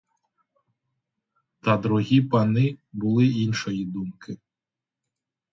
Та другі пани були іншої думки.